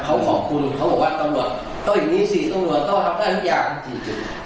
เขาบอกว่าเดี๋ยวผมไปซื้อน้ำให้อะไรอย่างเงี้ย